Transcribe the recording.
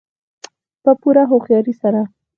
په پوره هوښیارۍ سره.